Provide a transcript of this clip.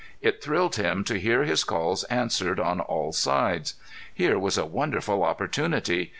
It thrilled him to hear his calls answered on all sides. Here was a wonderful opportunity.